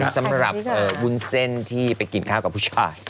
สำหรับวุ้นเส้นที่ไปกินข้าวกับผู้ชาย